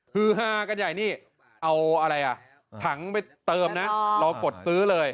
ฮือฮากันใหญ่นี่เอาอะไรอ่ะถังไปเติมนะรอกดซื้อเลย